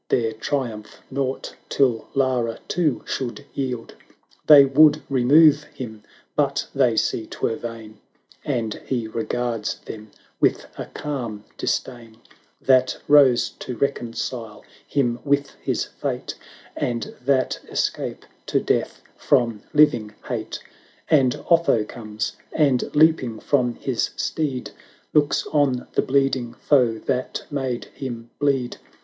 Their triumph nought till Lara too should yield: They would remove him, but they see 'twere vain, And he regards them with a calm dis dain, 1080 That rose to reconcile him with his fate, And that escape to death from living hate : And Otho comes, and leaping from his steed, Looks on the bleeding foe that made him bleed.